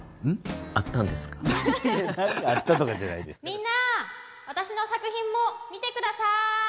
みんな私の作品も見て下さい！